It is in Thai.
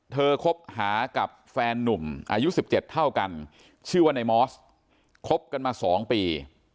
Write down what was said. คบหากับแฟนนุ่มอายุ๑๗เท่ากันชื่อว่าในมอสคบกันมา๒ปี